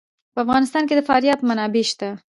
په افغانستان کې د فاریاب منابع شته.